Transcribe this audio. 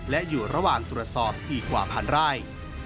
และอยู่ระหว่างตรวจสอบอีกกว่าพันไร่